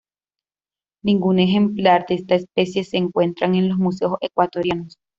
Ningún ejemplar de esta especie se encuentran en los museos ecuatorianos.